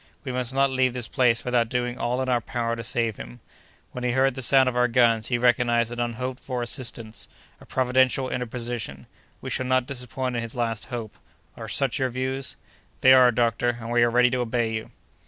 We must not leave this place without doing all in our power to save him. When he heard the sound of our guns, he recognized an unhoped for assistance, a providential interposition. We shall not disappoint his last hope. Are such your views?" "They are, doctor, and we are ready to obey you."